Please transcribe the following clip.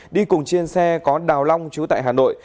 đi cùng trên xe có đào long chú tại hà nội